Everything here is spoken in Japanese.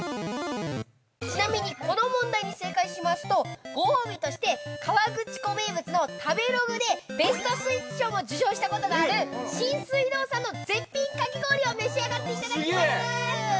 ◆ちなみにこの問題に正解しますとご褒美として、河口湖名物の食べログでベストスイーツ賞も受賞したことがある信水堂さんの絶品かき氷を召し上がっていただきますぅ。